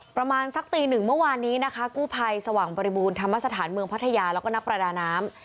ประมาณสักตีหนึ่งเมื่อวานนี้นะคะกู้ภัยสว่างบริบูรณธรรมสถานเมืองพัทยาแล้วก็นักประดาน้ำ